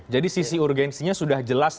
jadi sisi urgensinya sudah jelas